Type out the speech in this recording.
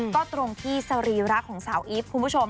ก็ตรงที่สรีระของสาวอีฟคุณผู้ชม